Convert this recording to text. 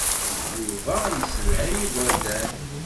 Yuba yessedhay igerdan.